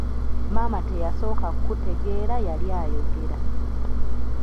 Maama teyasooka kutegeera yali ayogera.